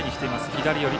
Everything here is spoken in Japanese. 左寄り。